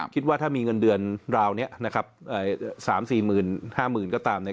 คิดว่าถ้ามีเงินเดือนราวนี้นะครับ๓๔๕๐๐๐ก็ตามเนี่ย